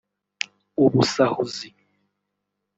Ubusahuzi